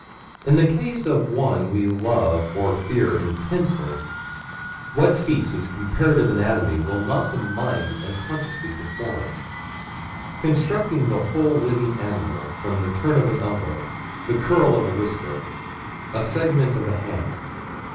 In the case of one we love or fear intensely, what feats of comparative anatomy will not the mind unconsciously perform? Constructing the whole living animal from the turn of an elbow, the curl of a whisker, a segment of a hand.